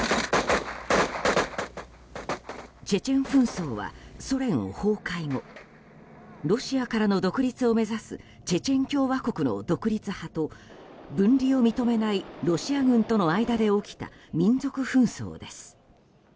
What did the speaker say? チェチェン紛争はソ連崩壊後ロシアからの独立を目指すチェチェン共和国の独立派と分離を認めないロシア軍との間で起きた民族紛争です。